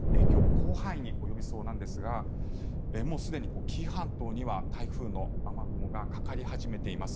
広範囲に及びそうなんですがもうすでに紀伊半島には台風の雨雲がかかり始めています。